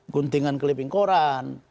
guntingan keleping koran